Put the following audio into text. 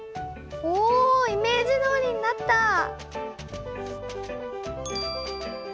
おイメージどおりになった！